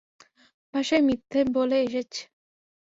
বাসায় মিথ্যা বলে এসেছে।